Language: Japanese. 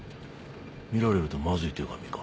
見られるとマズい手紙か？